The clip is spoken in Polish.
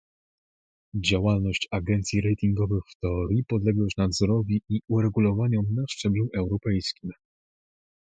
Działalność agencji ratingowych w teorii podlega już nadzorowi i uregulowaniom na szczeblu europejskim